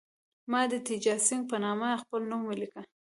ما د تیجاسینګه په نامه خپل نوم ولیکه.